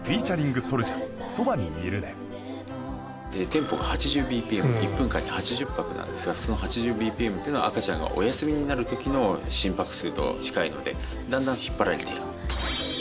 テンポが８０ＢＰＭ１分間に８０拍なんですがその８０ＢＰＭっていうのは赤ちゃんがおやすみになる時の心拍数と近いのでだんだん引っ張られていく。